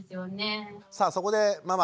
さあそこでママ